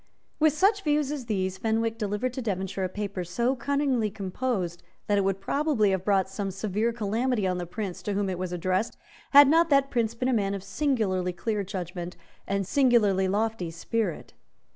With such views as these Fenwick delivered to Devonshire a paper so cunningly composed that it would probably have brought some severe calamity on the Prince to whom it was addressed, had not that Prince been a man of singularly clear judgment and singularly lofty spirit.